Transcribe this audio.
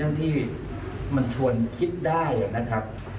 แล้วทำไมคุณไม่เห็นด้วยใช่ไหมอยู่อย่างนั้นขนาดนั้น